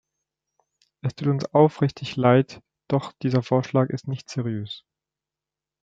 Es tut uns aufrichtig Leid, doch dieser Vorschlag ist nicht seriös.